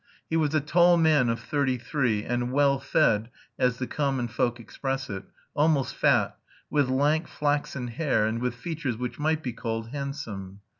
He was a tall man of thirty three, and well fed, as the common folk express it, almost fat, with lank flaxen hair, and with features which might be called handsome.